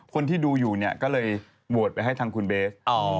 คนที่ดูอยู่เนี่ยก็เลยโหวตไปให้ทางคุณเบส